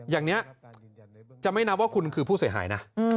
อย่างนี้จะไม่นับว่าคุณคือผู้เสียหายนะ